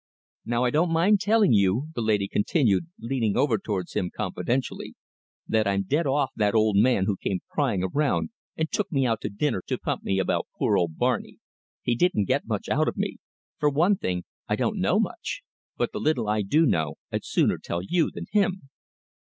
"Now I don't mind telling you," the lady continued, leaning over towards him confidentially, "that I'm dead off that old man who came prying round and took me out to dinner, to pump me about poor Barney! He didn't get much out of me. For one thing, I don't know much. But the little I do know I'd sooner tell you than him."